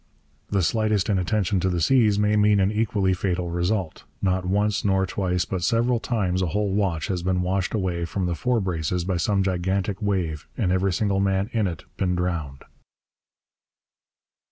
The slightest inattention to the seas may mean an equally fatal result. Not once, nor twice, but several times, a whole watch has been washed away from the fore braces by some gigantic wave, and every single man in it been drowned.